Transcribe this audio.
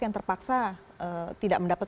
yang terpaksa tidak mendapat